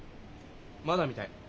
まだみたい。